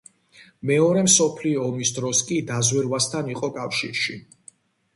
მეორე მსოფლიო ომის დროს კი დაზვერვასთან იყო კავშირში.